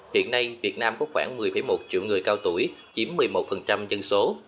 hiện nay việt nam có khoảng một mươi một triệu người cao tuổi chiếm một mươi một dân số